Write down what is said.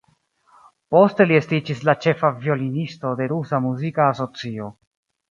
Poste li estiĝis la ĉefa violonisto de Rusa Muzika Asocio.